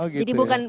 jadi bukan admin ya